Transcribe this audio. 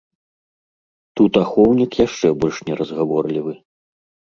Тут ахоўнік яшчэ больш неразгаворлівы.